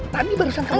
tadi barusan kamu